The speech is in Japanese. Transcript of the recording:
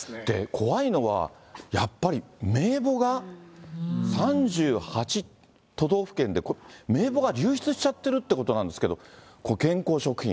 怖いのは、やっぱり名簿が３８都道府県で、名簿が流出しちゃっているということなんですけれども、これ、健康食品。